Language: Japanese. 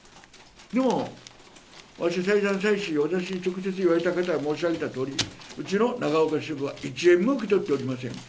でも、私、再三再四、直接言われた方には申し上げたとおり、うちの長岡支部は１円も受け取っておりません。